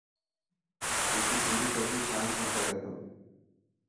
وڪي سڌي ٽوپي شان سان پيري ٿو.